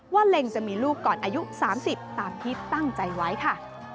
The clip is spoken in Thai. เล็งจะมีลูกก่อนอายุ๓๐ตามที่ตั้งใจไว้ค่ะ